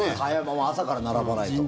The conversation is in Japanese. もう朝から並ばないと。